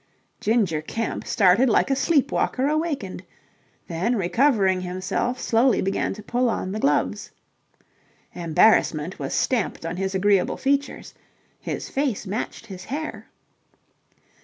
Ginger Kemp started like a sleep walker awakened; then recovering himself, slowly began to pull on the gloves. Embarrassment was stamped on his agreeable features. His face matched his hair.